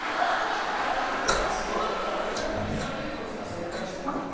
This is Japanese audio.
だってガットだったら俺がテニスラケットっつったら正解してるじゃん。